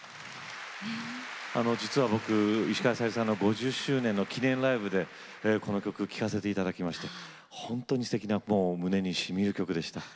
実は僕石川さゆりさんの５０周年の記念ライブでこの曲聴かせて頂きまして本当にすてきなもう胸にしみる曲でした。